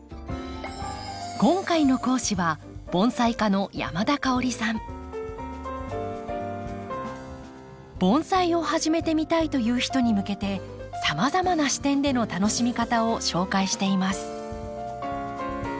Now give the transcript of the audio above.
今回の講師は盆栽を始めてみたいという人に向けてさまざまな視点での楽しみ方を紹介しています。